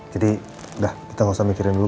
jadi udah kita gak usah mikirin dulu